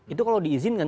itu kalau diizinkan